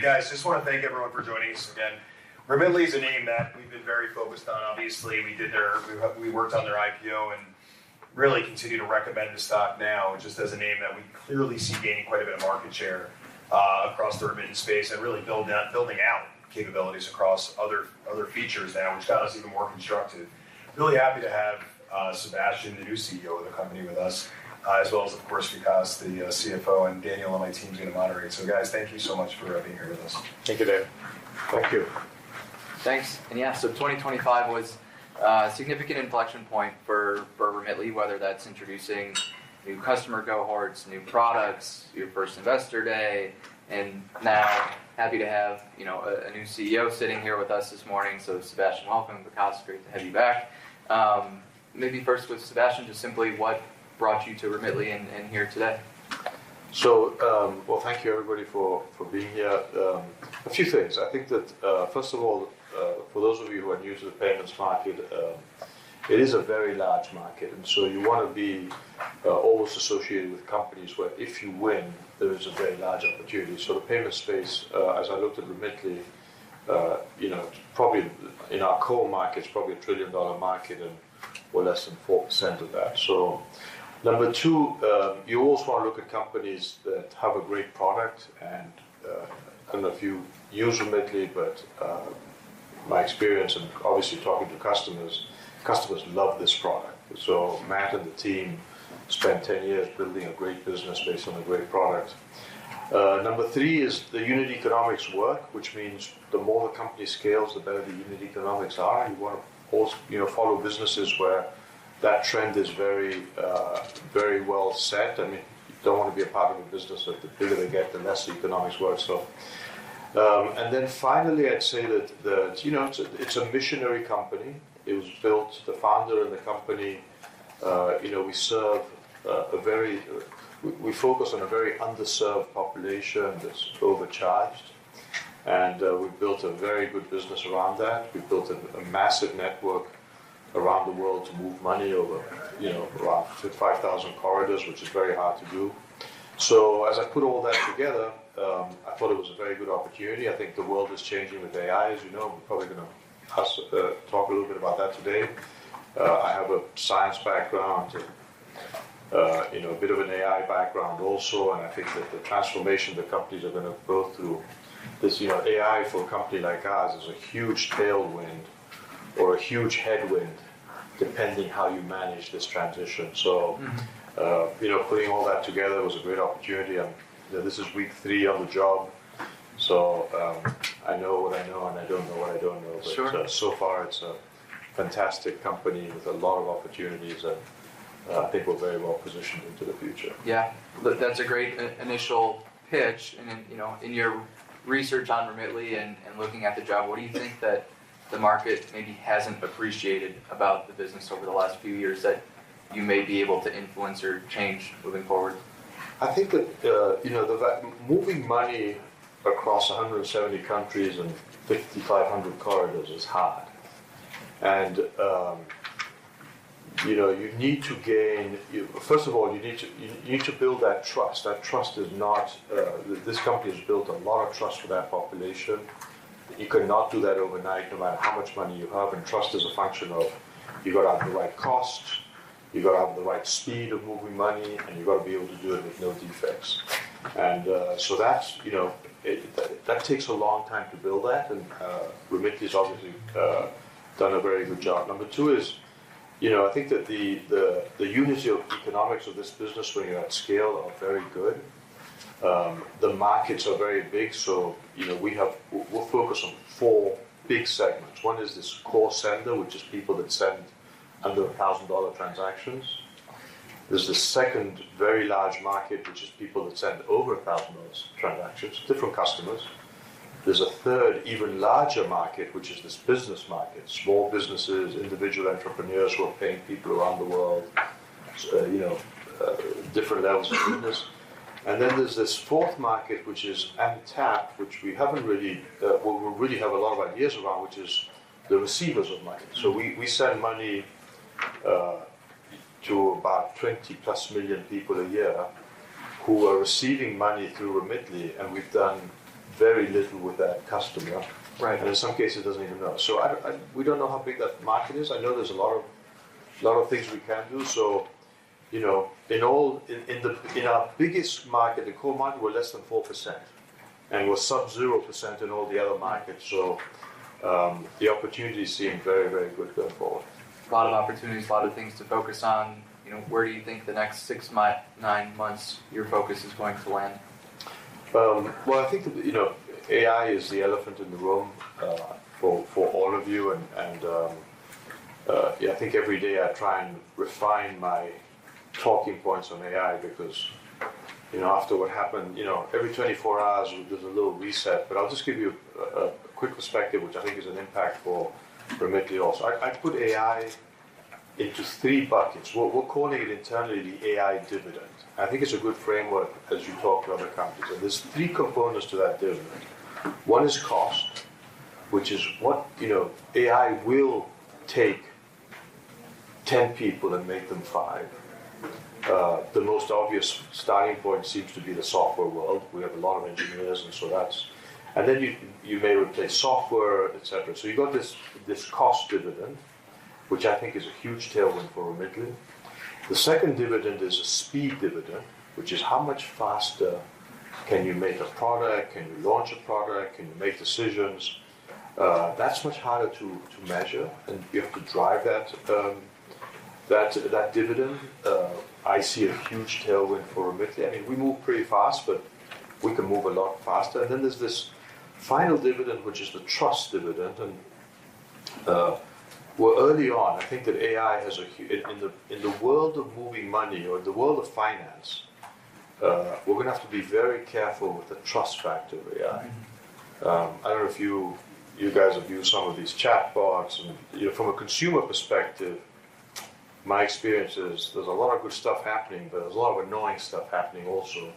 Real quickly. Guys, just wanna thank everyone for joining us again. Remitly is a name that we've been very focused on. Obviously, we worked on their IPO, and really continue to recommend the stock now just as a name that we clearly see gaining quite a bit of market share across the remittance space, and really building out capabilities across other features now, which got us even more constructive. Really happy to have Sebastian, the new CEO of the company, with us, as well as, of course, Vikas, the CFO, and Daniel on my team is gonna moderate. Guys, thank you so much for being here with us. Thank you, Darrin. Thank you. Thanks. 2025 was a significant inflection point for Remitly, whether that's introducing new customer cohorts, new products, your first Investor Day. Now happy to have, you know, a new CEO sitting here with us this morning. Sebastian, welcome. Vikas, great to have you back. Maybe first with Sebastian, just simply what brought you to Remitly and here today? Well, thank you, everybody, for being here. A few things. I think that, first of all, for those of you who are new to the payments market, it is a very large market, and so you wanna be always associated with companies where if you win, there is a very large opportunity. The payment space, as I looked at Remitly, you know, probably in our core market, it's probably a trillion-dollar market, and we're less than 4% of that. Number two, you also want to look at companies that have a great product. I don't know if you use Remitly, but my experience in obviously talking to customers love this product. Matt and the team spent 10 years building a great business based on a great product. Number three is the unit economics work, which means the more the company scales, the better the unit economics are. You wanna also, you know, follow businesses where that trend is very, very well set. I mean, you don't want to be a part of a business where the bigger they get, the less the economics work. Finally, I'd say that you know, it's a missionary company. The founder and the company, you know, we serve a very underserved population that's overcharged, and we've built a very good business around that. We've built a massive network around the world to move money over, you know, around 55,000 corridors, which is very hard to do. As I put all that together, I thought it was a very good opportunity. I think the world is changing with AI, as you know. We're probably gonna talk a little bit about that today. I have a science background and, you know, a bit of an AI background also, and I think that the transformation the companies are gonna go through. You know, AI for a company like ours is a huge tailwind or a huge headwind, depending how you manage this transition. Mm-hmm. You know, putting all that together was a great opportunity. You know, this is week three on the job, so I know what I know, and I don't know what I don't know. Sure. So far, it's a fantastic company with a lot of opportunities, and I think we're very well positioned into the future. Yeah. That's a great initial pitch. You know, in your research on Remitly and looking at the job, what do you think that the market maybe hasn't appreciated about the business over the last few years that you may be able to influence or change moving forward? I think that, you know, moving money across 170 countries and 5,500 corridors is hard. First of all, you need to build that trust. This company has built a lot of trust with that population. You could not do that overnight, no matter how much money you have. Trust is a function of you gotta have the right cost, you gotta have the right speed of moving money, and you gotta be able to do it with no defects. That takes a long time to build that. Remitly's obviously done a very good job. Number two is, you know, I think that the unit economics of this business when you're at scale are very good. The markets are very big, so, you know, we're focused on four big segments. One is this core sender, which is people that send under $1,000 transactions. There's the second very large market, which is people that send over $1,000 transactions, different customers. There's a third even larger market, which is this business market, small businesses, individual entrepreneurs who are paying people around the world, you know, different levels of business. There's this fourth market, which is untapped, which we haven't really. We really have a lot of ideas around, which is the receivers of money. Mm-hmm. We send money to about 20+ million people a year who are receiving money through Remitly, and we've done very little with that customer. Right. In some cases, doesn't even know. We don't know how big that market is. I know there's a lot of things we can do. You know, in our biggest market, the core market, we're less than 4%, and we're sub 0% in all the other markets. The opportunity seem very, very good going forward. A lot of opportunities, a lot of things to focus on. You know, where do you think the next six month, nine months, your focus is going to land? Well, I think that, you know, AI is the elephant in the room for all of you. Yeah, I think every day I try and refine my talking points on AI because, you know, after what happened, you know, every 24 hours there's a little reset. I'll just give you a quick perspective, which I think is an impact for Remitly also. I put AI into three buckets. We're calling it internally the AI dividend. I think it's a good framework as you talk to other companies. There's three components to that dividend. One is cost, which is what, you know, AI will take 10 people and make them five. The most obvious starting point seems to be the software world. We have a lot of engineers. Then you may replace software, et cetera. You got this cost dividend, which I think is a huge tailwind for Remitly. The second dividend is a speed dividend, which is how much faster can you make a product? Can you launch a product? Can you make decisions? That's much harder to measure, and you have to drive that dividend. I see a huge tailwind for Remitly. I mean, we move pretty fast, but we can move a lot faster. There's this final dividend, which is the trust dividend. Well, early on, I think. In the world of moving money or in the world of finance, we're gonna have to be very careful with the trust factor of AI. Mm-hmm. I don't know if you guys have used some of these chatbots and, you know, from a consumer perspective, my experience is there's a lot of good stuff happening, but there's a lot of annoying stuff happening also.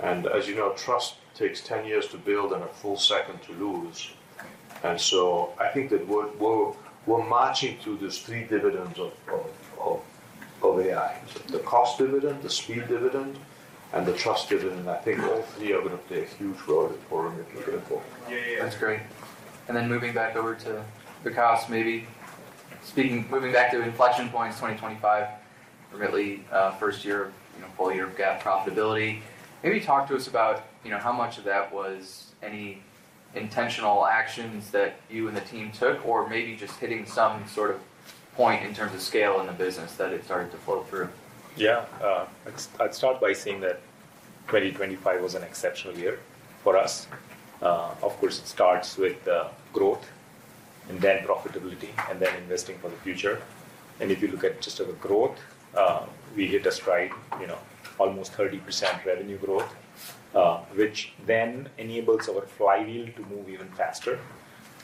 As you know, trust takes 10 years to build and a full second to lose. I think that we're marching to these three dividends of AI. The cost dividend, the speed dividend, and the trust dividend. I think all three are gonna play a huge role in Remitly if you're gonna go. Yeah, yeah. That's great. Then moving back over to Vikas maybe. Moving back to inflection points 2025, Remitly, first year, you know, full year of GAAP profitability. Maybe talk to us about, you know, how much of that was any intentional actions that you and the team took or maybe just hitting some sort of point in terms of scale in the business that it started to flow through. Yeah. I'd start by saying that 2025 was an exceptional year for us. Of course, it starts with growth and then profitability, and then investing for the future. If you look at just our growth, we hit a stride, you know, almost 30% revenue growth, which then enables our flywheel to move even faster.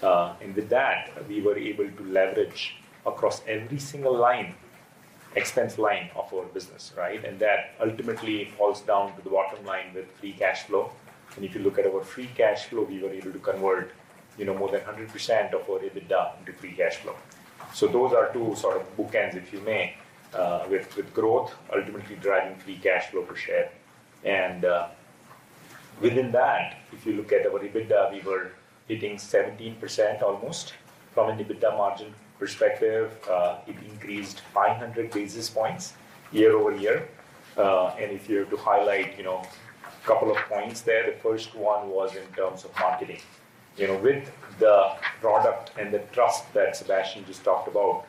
With that, we were able to leverage across every single line, expense line of our business, right? That ultimately falls down to the bottom line with free cash flow. If you look at our free cash flow, we were able to convert, you know, more than 100% of our EBITDA into free cash flow. Those are two sort of bookends, if you may, with growth ultimately driving free cash flow per share. Within that, if you look at our EBITDA, we were hitting 17% almost. From an EBITDA margin perspective, it increased 500 basis points year-over-year. If you're to highlight, you know, a couple of points there, the first one was in terms of marketing. You know, with the product and the trust that Sebastian just talked about,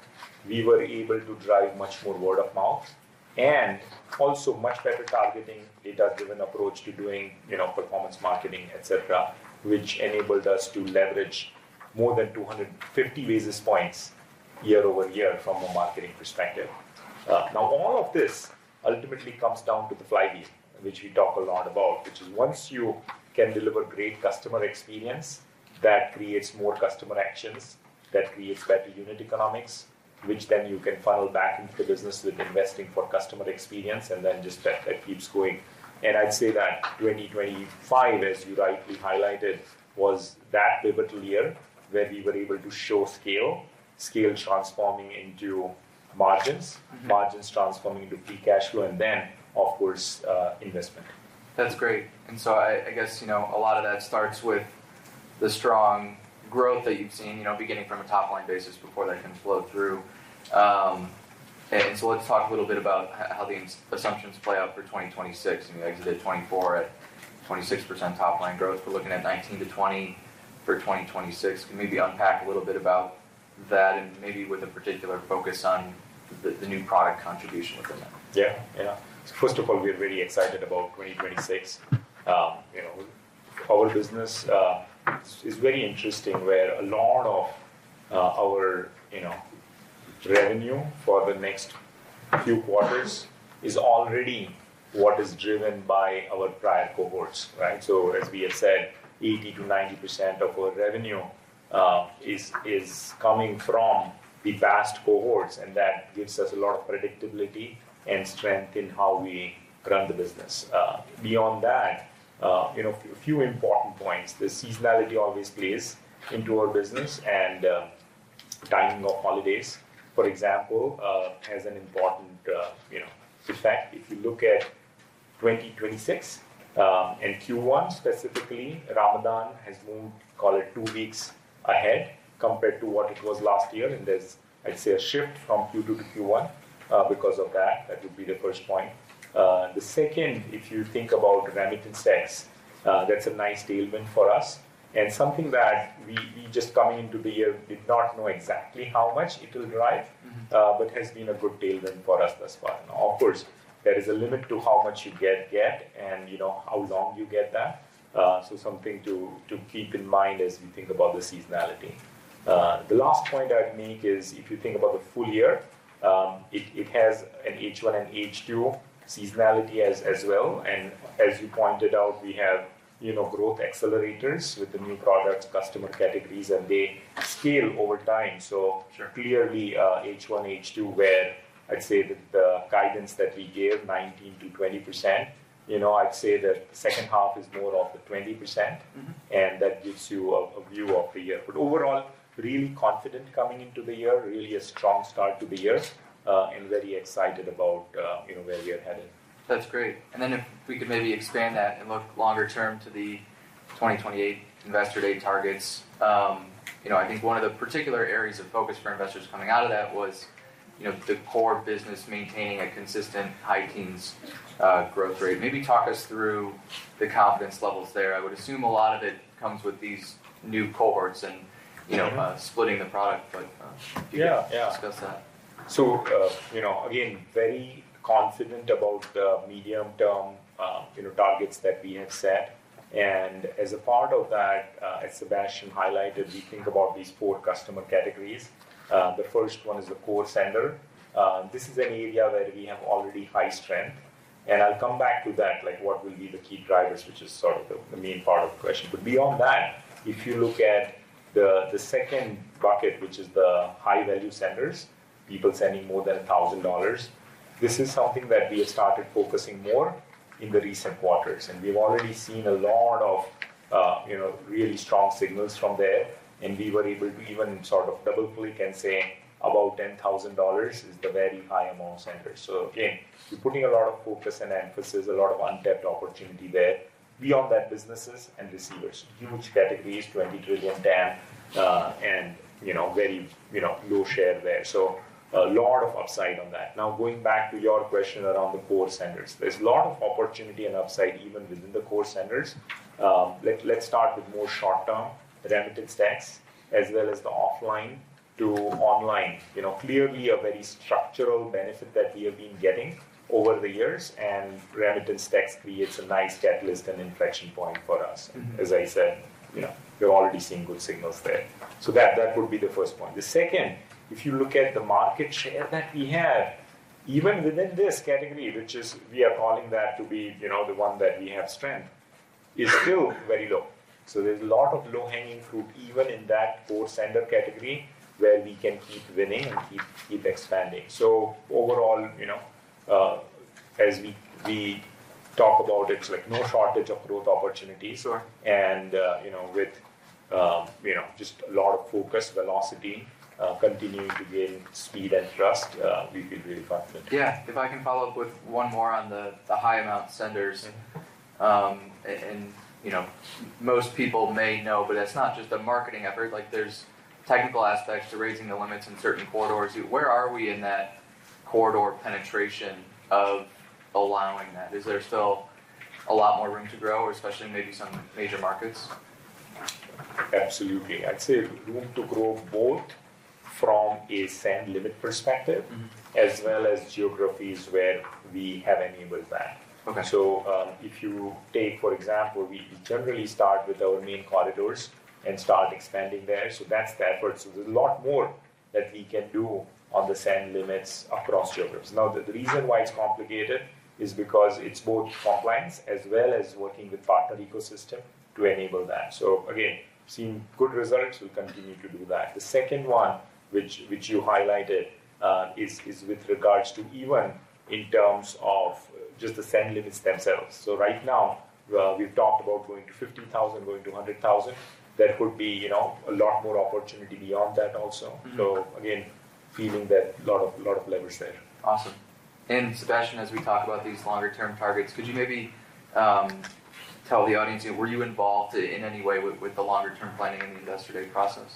we were able to drive much more word of mouth and also much better targeting, data-driven approach to doing, you know, performance marketing, et cetera, which enabled us to leverage more than 250 basis points year-over-year from a marketing perspective. Now all of this ultimately comes down to the flywheel, which we talk a lot about, which is once you can deliver great customer experience, that creates more customer actions, that creates better unit economics, which then you can funnel back into the business with investing for customer experience, and then just that keeps going. I'd say that 2025, as you rightly highlighted, was that pivotal year where we were able to show scale transforming into margins. Mm-hmm... margins transforming into free cash flow and then, of course, investment. That's great. I guess, you know, a lot of that starts with the strong growth that you've seen, you know, beginning from a top-line basis before that can flow through. Let's talk a little bit about how the assumptions play out for 2026. I mean, you exited 2024 at 26% top line growth. We're looking at 19%-20% for 2026. Can you maybe unpack a little bit about that and maybe with a particular focus on the new product contribution within that? First of all, we're really excited about 2026. Our business is very interesting, where a lot of our revenue for the next few quarters is already what is driven by our prior cohorts, right? As we have said, 80%-90% of our revenue is coming from the past cohorts, and that gives us a lot of predictability and strength in how we run the business. Beyond that, a few important points. The seasonality obviously is into our business and timing of holidays, for example, has an important effect. If you look at 2026 and Q1 specifically, Ramadan has moved, call it, two weeks ahead compared to what it was last year. There's, I'd say, a shift from Q2 to Q1 because of that. That would be the first point. The second, if you think about remittance stacks, that's a nice tailwind for us and something that we just coming into the year did not know exactly how much it will drive- Mm-hmm ...has been a good tailwind for us thus far. Now, of course, there is a limit to how much you get and, you know, how long you get that. something to keep in mind as we think about the seasonality. The last point I'd make is if you think about the full year, it has an H1 and H2 seasonality as well. As you pointed out, we have, you know, growth accelerators with the new products, customer categories, and they scale over time. Sure Clearly, H1, H2, we're, I'd say that the guidance that we gave, 19%-20%, you know, I'd say that the second half is more of the 20%. Mm-hmm. That gives you a view of the year. Overall, really confident coming into the year, really a strong start to the year, and very excited about, you know, where we are headed. That's great. If we could maybe expand that and look longer term to the 2028 Investor Day targets. You know, I think one of the particular areas of focus for investors coming out of that was, you know, the core business maintaining a consistent high teens growth rate. Maybe talk us through the confidence levels there. I would assume a lot of it comes with these new cohorts and- Mm-hmm. You know, splitting the product, but if you could. Yeah, yeah. Discuss that. You know, again, very confident about the medium-term, you know, targets that we have set. As a part of that, as Sebastian highlighted, we think about these four customer categories. The first one is the core sender. This is an area where we have already high strength, and I'll come back to that, like what will be the key drivers, which is sort of the main part of the question. Beyond that, if you look at the second bucket, which is the high-value senders, people sending more than $1,000, this is something that we have started focusing more in the recent quarters. We've already seen a lot of, you know, really strong signals from there. We were able to even sort of double-click and say about $10,000 is the very high amount sender. Again, we're putting a lot of focus and emphasis, a lot of untapped opportunity there. Beyond that, businesses and receivers. Huge categories, $20 trillion TAM, and you know, very, you know, low share there. A lot of upside on that. Now, going back to your question around the core senders. There's a lot of opportunity and upside even within the core senders. Let's start with more short-term remittance tax as well as the offline to online. You know, clearly a very structural benefit that we have been getting over the years, and remittance tax creates a nice catalyst and inflection point for us. Mm-hmm. As I said, you know, we're already seeing good signals there. That would be the first point. The second, if you look at the market share that we have, even within this category, which is we are calling that to be, you know, the one that we have strength, is still very low. There's a lot of low-hanging fruit even in that core sender category where we can keep winning and keep expanding. Overall, you know, as we talk about, it's like no shortage of growth opportunities. Sure. You know, with you know, just a lot of focus, velocity, continuing to gain speed and trust, we feel really confident. Yeah. If I can follow up with one more on the high-value senders and, you know, most people may know, but it's not just a marketing effort. Like, there's technical aspects to raising the limits in certain corridors. Where are we in that corridor penetration of allowing that? Is there still a lot more room to grow, especially maybe some major markets? Absolutely. I'd say room to grow both from a send limit perspective. Mm-hmm. As well as geographies where we have enabled that. Okay. If you take, for example, we generally start with our main corridors and start expanding there. That's the effort. There's a lot more that we can do on the send limits across geographies. Now, the reason why it's complicated is because it's both compliance as well as working with partner ecosystem to enable that. Again, seeing good results, we'll continue to do that. The second one, which you highlighted, is with regards to even in terms of just the send limits themselves. Right now, we've talked about going to $50,000, going to $100,000. That would be, you know, a lot more opportunity beyond that also. Mm-hmm. Again, feeling a lot of leverage there. Awesome. Sebastian, as we talk about these longer-term targets, could you maybe tell the audience, were you involved in any way with the longer-term planning and the Investor Day process?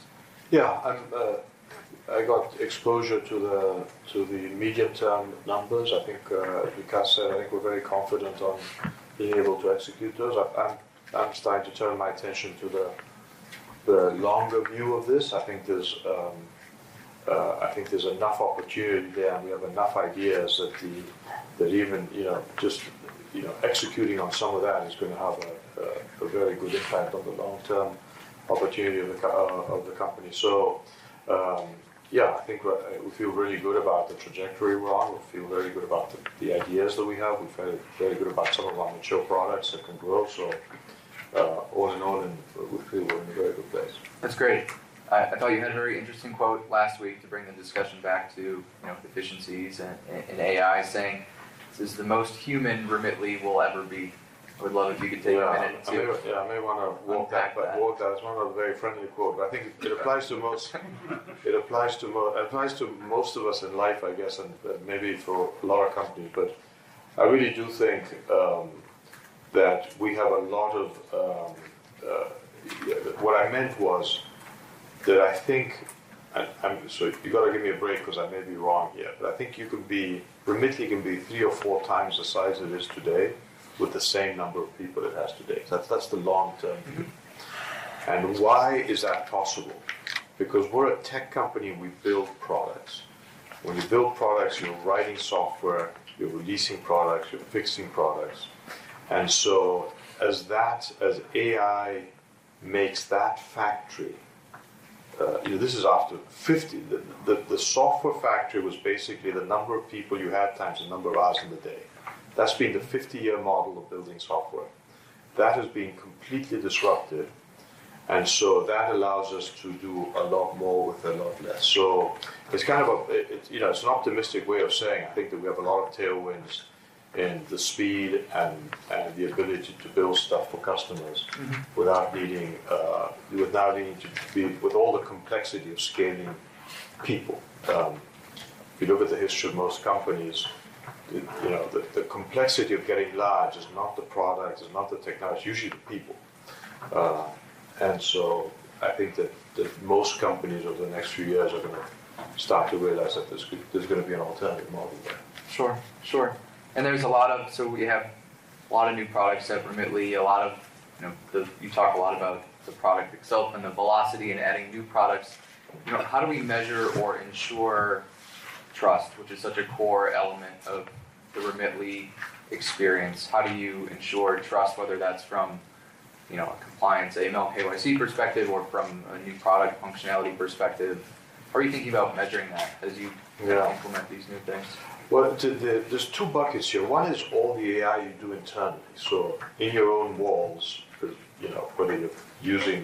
Yeah. I got exposure to the immediate term numbers. I think, Vikas, I think we're very confident on being able to execute those. I'm starting to turn my attention to the longer view of this. I think there's enough opportunity there, and we have enough ideas that even, you know, just, you know, executing on some of that is going to have a very good impact on the long-term opportunity of the company. Yeah, I think we feel really good about the trajectory we're on. We feel very good about the ideas that we have. We feel very good about some of our mature products that can grow. All in all, we feel we're in a very good place. That's great. I thought you had a very interesting quote last week to bring the discussion back to, you know, efficiencies and AI saying, "This is the most human Remitly will ever be." I would love if you could take a minute to- Yeah. I may wanna walk back. Unpack that. Walk that. It's not a very friendly quote, but I think it applies to most of us in life, I guess, and maybe for a lot of companies. I really do think that we have a lot of. What I meant was that I think, so you gotta give me a break 'cause I may be wrong here, but I think Remitly can be three or four times the size it is today with the same number of people it has today. That's the long-term view. Why is that possible? Because we're a tech company, and we build products. When you build products, you're writing software, you're releasing products, you're fixing products. So as AI makes that factory, this is after 50. The software factory was basically the number of people you had times the number of hours in the day. That's been the 50-year model of building software. That has been completely disrupted. That allows us to do a lot more with a lot less. It's kind of a. You know, it's an optimistic way of saying I think that we have a lot of tailwinds in the speed and the ability to build stuff for customers. Mm-hmm. Without needing to deal with all the complexity of scaling people. If you look at the history of most companies, you know, the complexity of getting large is not the product, it's not the technology, it's usually the people. I think that most companies over the next few years are gonna start to realize that there's gonna be an alternative model there. Sure. We have a lot of new products at Remitly, a lot of, you know, You talk a lot about the product itself and the velocity in adding new products. You know, how do we measure or ensure trust, which is such a core element of the Remitly experience? How do you ensure trust, whether that's from, you know, a compliance, AML, KYC perspective or from a new product functionality perspective? How are you thinking about measuring that as you- Yeah. ...implement these new things? Well, there's two buckets here. One is all the AI you do internally. So in your own walls, you know, whether you're using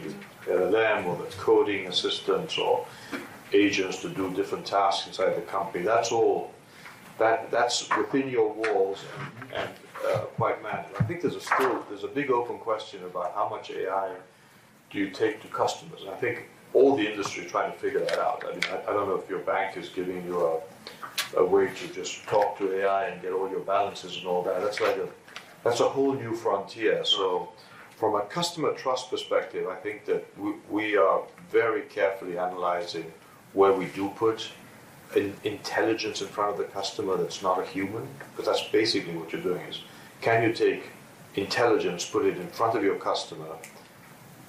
LLM or the coding assistants or agents to do different tasks inside the company, that's all. That's within your walls and quite managed. I think there's a big open question about how much AI do you take to customers, and I think all the industry is trying to figure that out. I mean, I don't know if your bank is giving you a way to just talk to AI and get all your balances and all that. That's a whole new frontier. Mm-hmm. From a customer trust perspective, I think that we are very carefully analyzing where we do put in intelligence in front of the customer that's not a human, 'cause that's basically what you're doing is, can you take intelligence, put it in front of your customer,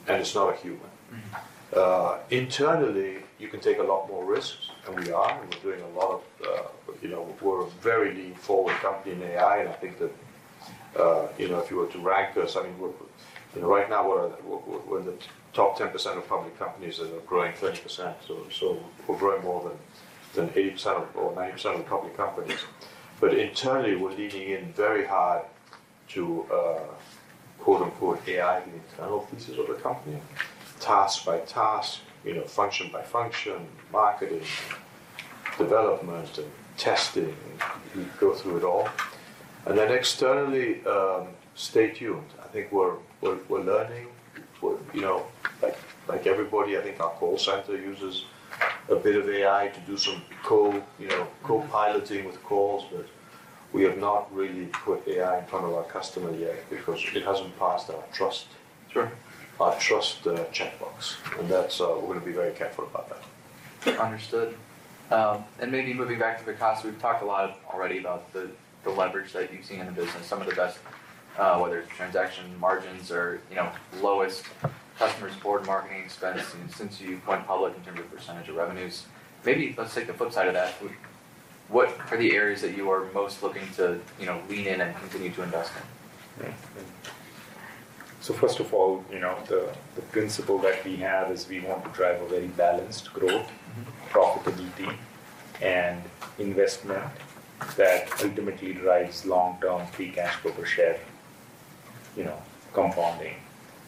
and it's not a human. Mm-hmm. Internally, you can take a lot more risks, and we are. We're doing a lot of, you know, we're a very lean forward company in AI, and I think that, you know, if you were to rank us, I mean, we're in the top 10% of public companies that are growing 30%. We're growing more than 80% or 90% of public companies. Internally, we're leaning in very hard to quote-unquote "AI" in the internal pieces of the company, task by task, you know, function by function, marketing, development and testing. We go through it all. Externally, stay tuned. I think we're learning. We're, you know, like everybody, I think our call center uses a bit of AI to do some co-piloting with calls, but we have not really put AI in front of our customer yet because it hasn't passed our trust. Sure. Our trust checkbox. That's. We're gonna be very careful about that. Understood. Maybe moving back to the cost, we've talked a lot already about the leverage that you've seen in the business. Some of the best, whether it's transaction margins or, you know, lowest customer support marketing spend since you've went public in terms of percentage of revenues. Maybe let's take the flip side of that. What are the areas that you are most looking to, you know, lean in and continue to invest in? First of all, you know, the principle that we have is we want to drive a very balanced growth- Mm-hmm. ...profitability and investment that ultimately drives long-term free cash flow per share, you know, compounding.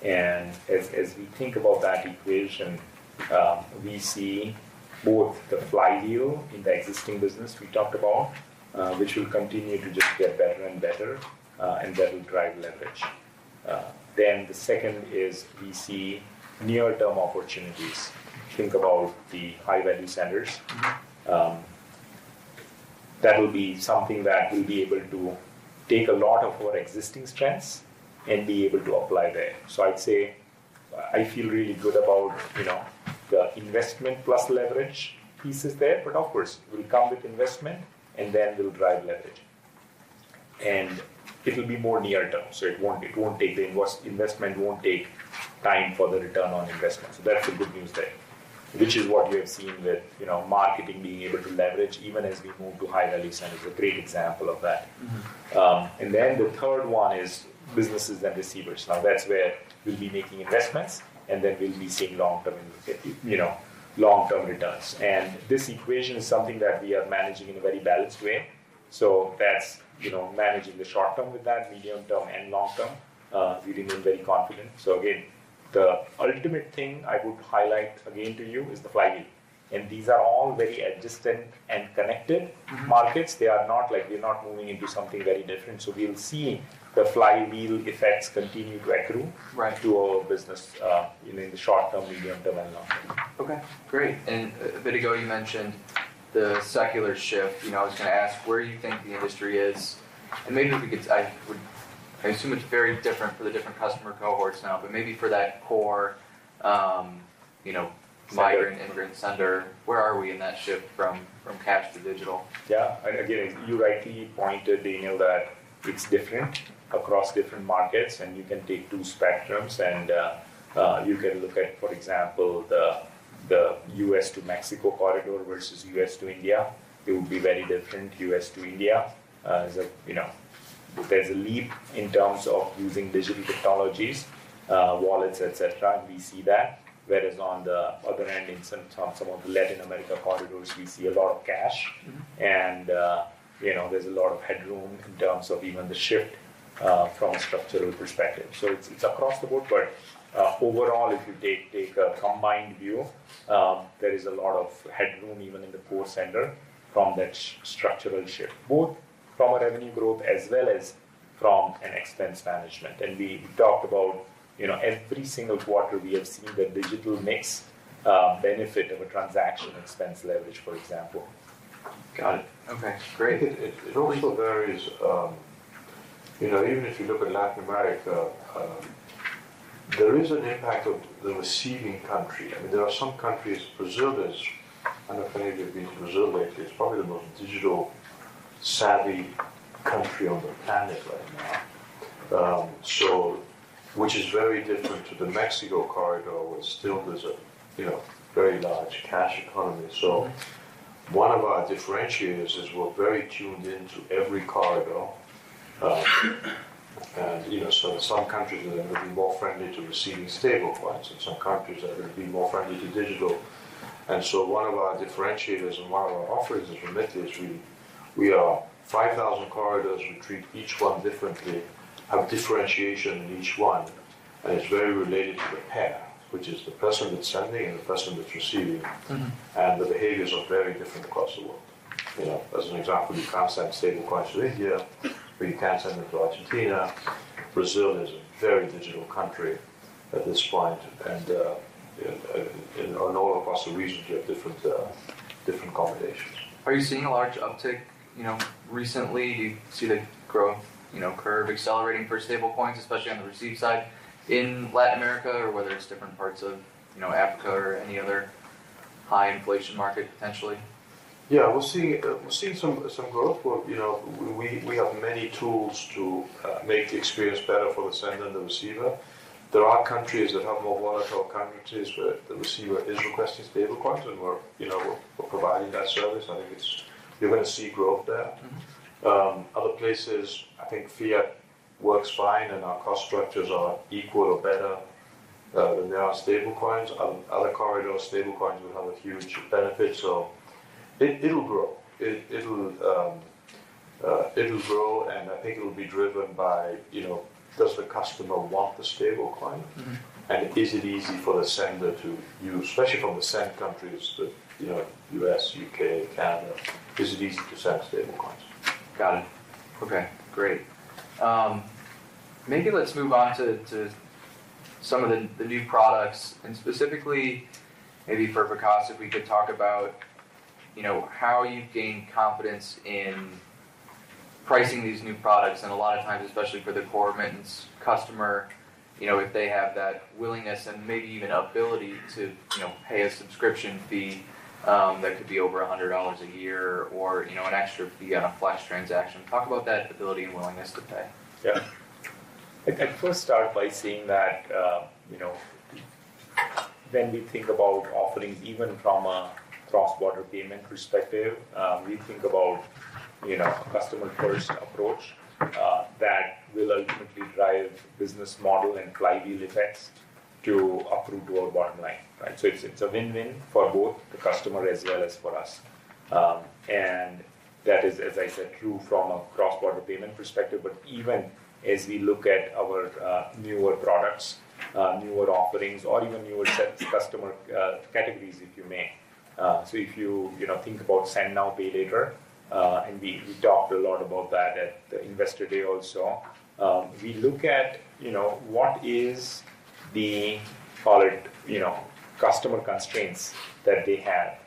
As we think about that equation, we see both the flywheel in the existing business we talked about, which will continue to just get better and better, and that will drive leverage. The second is we see near-term opportunities. Think about the high-value senders. Mm-hmm. That will be something that we'll be able to take a lot of our existing strengths and be able to apply there. I'd say I feel really good about, you know, the investment plus leverage pieces there. Of course, we'll come with investment, and then we'll drive leverage. It'll be more near term. It won't take the investment, it won't take time for the return on investment. That's the good news there, which is what we have seen with, you know, marketing being able to leverage even as we move to high-value centers, a great example of that. Mm-hmm. The third one is businesses and receivers. Now, that's where we'll be making investments, and then we'll be seeing long-term, you know, long-term returns. This equation is something that we are managing in a very balanced way. That's, you know, managing the short term with that medium-term and long-term, we remain very confident. Again, the ultimate thing I would highlight again to you is the flywheel. These are all very adjacent and connected markets. Mm-hmm. They are not like we're not moving into something very different. We'll see the flywheel effects continue to accrue. Right. to our business, you know, in the short term, medium-term, and long term. Okay, great. A bit ago you mentioned the secular shift. You know, I was gonna ask where you think the industry is, and maybe I assume it's very different for the different customer cohorts now, but maybe for that core, you know, migrant/ immigrant sender, where are we in that shift from cash to digital? Yeah. Again, you rightly pointed, Daniel, that it's different across different markets, and you can take two spectrums and you can look at, for example, the U.S. to Mexico corridor versus U.S. to India. It will be very different. U.S. to India is like, you know, there's a leap in terms of using digital technologies, wallets, etcetera, and we see that. Whereas on the other end, in some of the Latin America corridors, we see a lot of cash. Mm-hmm. You know, there's a lot of headroom in terms of even the shift from a structural perspective. It's across the board, but overall, if you take a combined view, there is a lot of headroom even in the core sender from that structural shift, both from a revenue growth as well as from an expense management. We talked about, you know, every single quarter we have seen the digital mix benefit of a transaction expense leverage, for example. Got it. Okay, great. It also varies, you know, even if you look at Latin America, there is an impact of the receiving country. I mean, there are some countries. Brazil is. I don't know if any of you have been to Brazil lately. It's probably the most digital-savvy country on the planet right now. Which is very different to the Mexico corridor, where still there's a, you know, very large cash economy. One of our differentiators is we're very tuned into every corridor. You know, some countries are gonna be more friendly to receiving stablecoins, and some countries are gonna be more friendly to digital. One of our differentiators and one of our offerings is Remitly. We are 5,000 corridors. We treat each one differently, have differentiation in each one. It's very related to the pair, which is the person that's sending and the person that's receiving. Mm-hmm. The behaviors are very different across the world. You know, as an example, you can't send stablecoins to India, but you can send them to Argentina. Brazil is a very digital country at this point. You know, and all across the region, you have different combinations. Are you seeing a large uptick, you know, recently? Do you see the growth, you know, curve accelerating for stablecoins, especially on the receive side in Latin America or whether it's different parts of, you know, Africa or any other high inflation market potentially? Yeah, we're seeing some growth. You know, we have many tools to make the experience better for the sender and the receiver. There are countries that have more volatile currencies where the receiver is requesting stablecoins, and we're, you know, providing that service. I think it's. You're gonna see growth there. Mm-hmm. Other places, I think fiat works fine, and our cost structures are equal or better than they are for stablecoins. Other corridors, stablecoins will have a huge benefit. It'll grow, and I think it'll be driven by, you know, does the customer want the stablecoin? Mm-hmm. Is it easy for the sender to use, especially from the send countries to, you know, U.S., U.K., Canada? Is it easy to send stablecoins? Got it. Okay, great. Maybe let's move on to some of the new products, and specifically maybe for Vikas, if we could talk about, you know, how you've gained confidence in pricing these new products. A lot of times, especially for the core remittance customer, you know, if they have that willingness and maybe even ability to, you know, pay a subscription fee, that could be over $100 a year or, you know, an extra fee on a Flex transaction. Talk about that ability and willingness to pay. Yeah. I first start by saying that, you know, when we think about offerings, even from a cross-border payment perspective, we think about, you know, a customer-first approach that will ultimately drive business model and flywheel effects to accrue to our bottom line, right? It's a win-win for both the customer as well as for us. That is, as I said, true from a cross-border payment perspective, but even as we look at our newer products, newer offerings, or even newer set customer categories, if you may. If you know, think about send now, pay later, and we talked a lot about that at the Investor Day also. We look at, you know, what is the, call it, you know, customer constraints that they have.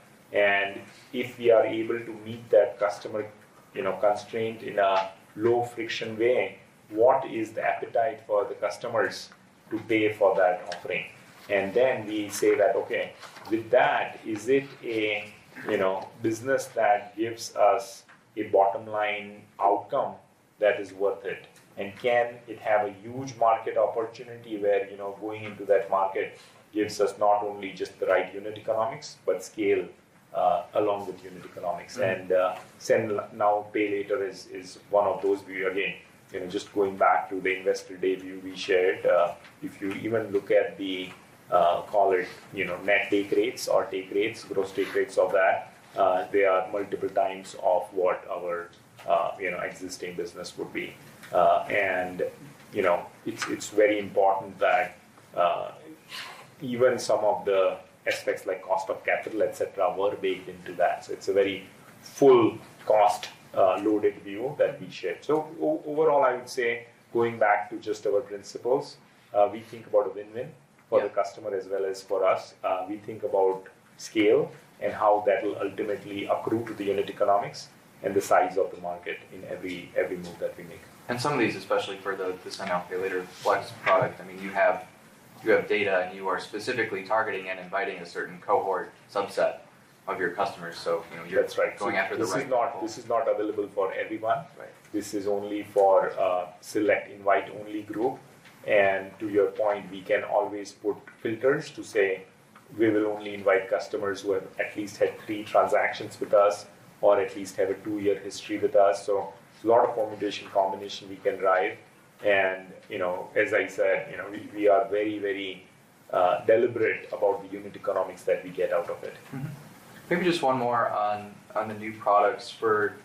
If we are able to meet that customer, you know, constraint in a low-friction way, what is the appetite for the customers to pay for that offering? Then we say that, okay, with that, is it a, you know, business that gives us a bottom-line outcome that is worth it? Can it have a huge market opportunity where, you know, going into that market gives us not only just the right unit economics, but scale, along with unit economics? Mm-hmm. Send now, pay later is one of those we again. You know, just going back to the Investor Day view we shared, if you even look at the, call it, you know, net take rates or take rates, gross take rates of that, they are multiple times of what our, you know, existing business would be. You know, it's very important that even some of the aspects like cost of capital, et cetera, were baked into that. So it's a very full cost loaded view that we shared. So overall, I would say going back to just our principles, we think about a win-win- Yeah for the customer as well as for us. We think about scale and how that will ultimately accrue to the unit economics and the size of the market in every move that we make. Some of these, especially for the send now, pay later Flex product, I mean, you have data, and you are specifically targeting and inviting a certain cohort subset of your customers. So, you know, you're That's right. Going after the right people. This is not available for everyone. Right. This is only for a select invite-only group. To your point, we can always put filters to say, we will only invite customers who have at least had three transactions with us or at least have a two-year history with us. It's a lot of combination we can drive. You know, as I said, you know, we are very deliberate about the unit economics that we get out of it. Maybe just one more on the new products. For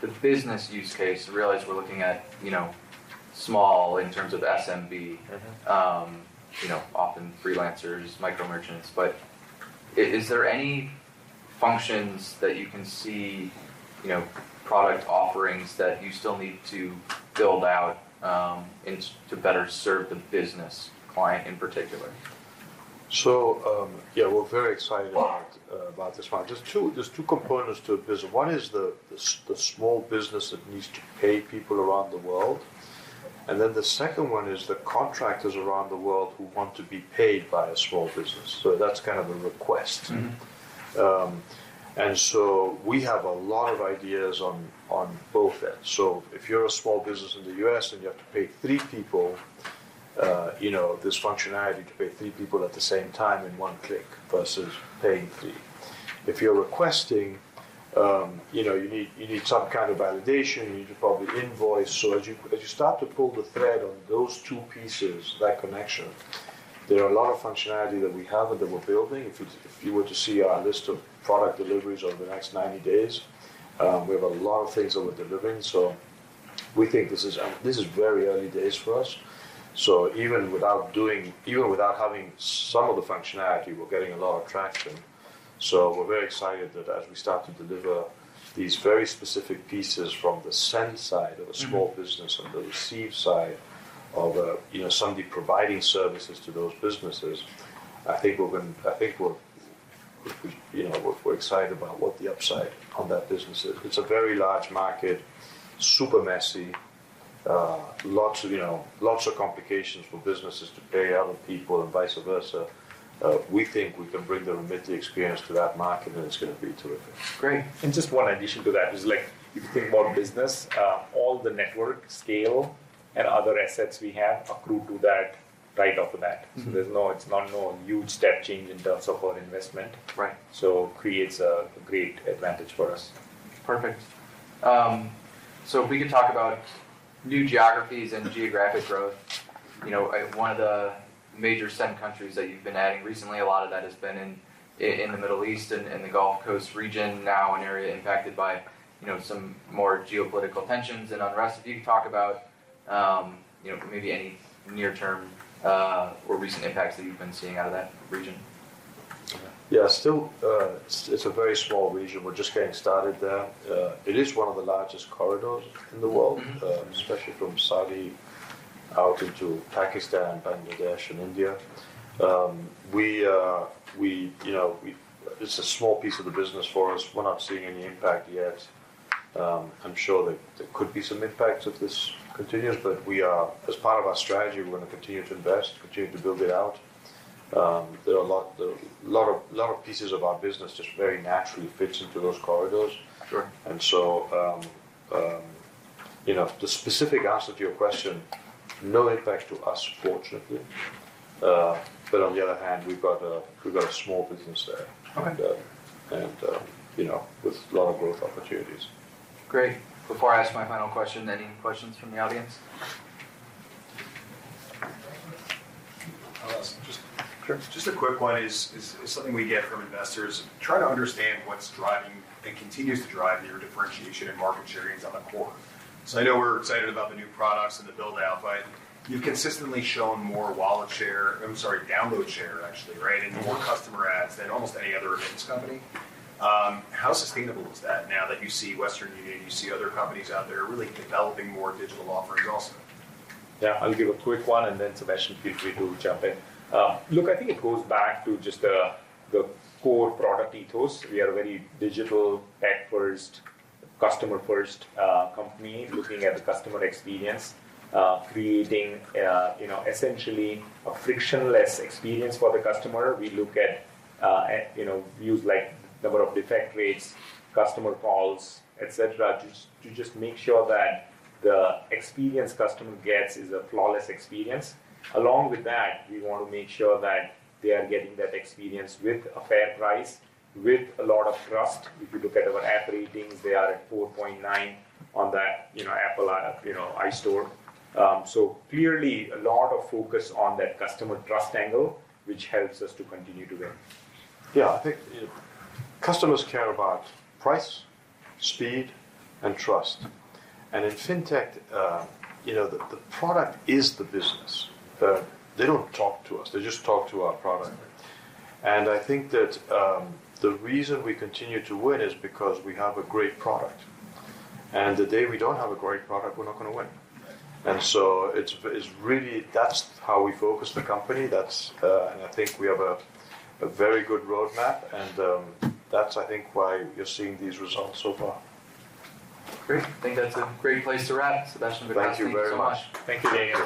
the business use case, I realize we're looking at, you know, small in terms of SMB- Mm-hmm ...you know, often freelancers, micro merchants. Is there any functions that you can see, you know, product offerings that you still need to build out, to better serve the business client in particular? We're very excited. Wow About this one. There's two components to it. One is the small business that needs to pay people around the world, and then the second one is the contractors around the world who want to be paid by a small business. That's kind of the request. Mm-hmm. We have a lot of ideas on both ends. If you're a small business in the U.S., and you have to pay three people, you know, this functionality to pay three people at the same time in one click versus paying three. If you're requesting, you know, you need some kind of validation, you need to probably invoice. As you start to pull the thread on those two pieces, that connection, there are a lot of functionality that we have and that we're building. If you were to see our list of product deliveries over the next 90 days, we have a lot of things that we're delivering. This is very early days for us, so even without having some of the functionality, we're getting a lot of traction. We're very excited that as we start to deliver these very specific pieces from the send side of a small business- Mm-hmm ...on the receive side of a, you know, somebody providing services to those businesses, I think we're excited about what the upside on that business is. It's a very large market, super messy. Lots of, you know, lots of complications for businesses to pay other people and vice versa. We think we can bring the Remitly experience to that market, and it's gonna be terrific. Great. Just one addition to that is, like, if you think about business, all the network scale and other assets we have accrue to that right off the bat. Mm-hmm. There's no huge step change in terms of our investment. Right. Creates a great advantage for us. Perfect. If we could talk about new geographies and geographic growth. You know, one of the major send countries that you've been adding recently, a lot of that has been in the Middle East and the Gulf region, now an area impacted by, you know, some more geopolitical tensions and unrest. If you could talk about, you know, maybe any near-term or recent impacts that you've been seeing out of that region. Yeah. Still, it's a very small region. We're just getting started there. It is one of the largest corridors in the world. Mm-hmm Especially from Saudi out into Pakistan, Bangladesh, and India. We are. It's a small piece of the business for us. We're not seeing any impact yet. I'm sure that there could be some impact if this continues, but we are, as part of our strategy, we're gonna continue to invest, continue to build it out. There are a lot of pieces of our business just very naturally fits into those corridors. Sure. You know, the specific answer to your question, no impact to us, fortunately. On the other hand, we've got a small business there. Okay You know, with a lot of growth opportunities. Great. Before I ask my final question, any questions from the audience? I'll ask just- Sure. Just a quick one is something we get from investors, try to understand what's driving and continues to drive your differentiation and market share gains on the core. I know we're excited about the new products and the build-out, but you've consistently shown more wallet share, I'm sorry, download share actually, right- Mm-hmm... and more customer adds than almost any other remittance company. How sustainable is that now that you see Western Union, you see other companies out there really developing more digital offerings also? Yeah. I'll give a quick one, and then Sebastian, feel free to jump in. Look, I think it goes back to just, the core product ethos. We are a very digital, tech-first, customer-first, company. Mm-hmm Looking at the customer experience, creating, you know, essentially a frictionless experience for the customer. We look at, you know, views like number of defect rates, customer calls, et cetera, to just make sure that the experience customer gets is a flawless experience. Along with that, we want to make sure that they are getting that experience with a fair price, with a lot of trust. If you look at our app ratings, they are at 4.9 on that, you know, Apple App Store. So clearly a lot of focus on that customer trust angle, which helps us to continue to win. Yeah. I think, you know, customers care about price, speed, and trust. In fintech, you know, the product is the business. They don't talk to us. They just talk to our product. Right. I think that, the reason we continue to win is because we have a great product. The day we don't have a great product, we're not gonna win. Right. It's really, that's how we focus the company. I think we have a very good roadmap, and that's, I think, why you're seeing these results so far. Great. I think that's a great place to wrap. Sebastian, good talking to you. Thank you very much. Thank you, Daniel.